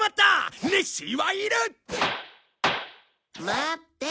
待って。